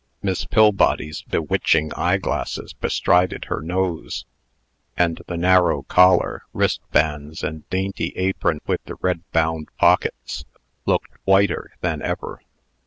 Miss Pillbody's bewitching eyeglasses bestrided her nose; and the narrow collar, wristbands, and dainty apron with the red bound pockets, looked whiter than ever.